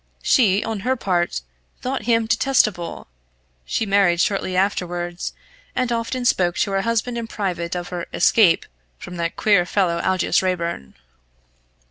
She, on her part, thought him detestable; she married shortly afterwards, and often spoke to her husband in private of her "escape" from that queer fellow Aldous Raeburn.